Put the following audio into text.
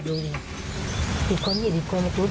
ไม่รู้ว่าทำจากไหนก็ไม่รู้